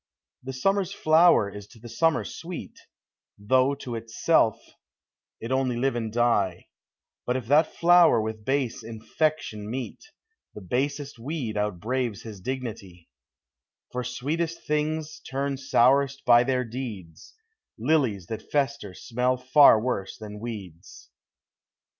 The summer's flower is to the summer sweet, Though to itself it only live and die; But if that flower with base infection meet, The basest weed outbraves his dignity: For sweetest things turn sourest by their deeds; Lilies that fester smell far worse than weeds.